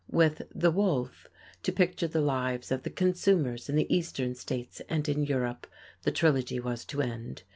With "The Wolf," to picture the lives of the consumers in the Eastern States and in Europe, the Trilogy was to end.